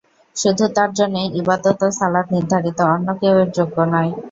শুধু তাঁর জন্যেই ইবাদত ও সালাত নির্ধারিত, অন্য কেউ এর যোগ্য নয়।